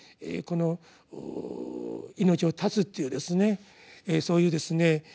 この命を絶つというそういうですね